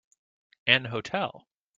An hotel.